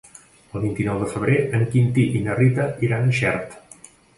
El vint-i-nou de febrer en Quintí i na Rita iran a Xert.